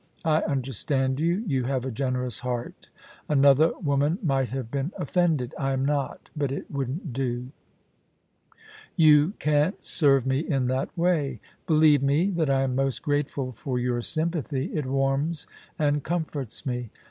I understand you. You have a generous heart Another woman might have been offended. I am not— but it wouldn't do. You can't serve me in that way. Believe me, that I am most grateful for your sympathy ; it warms and comforts me.